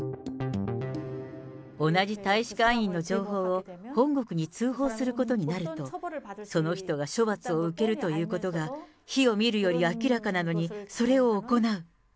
同じ大使館員の情報を本国に通報することになると、その人が処罰を受けるということが火を見るより明らかなのに、それを行う。